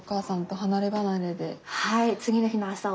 はい。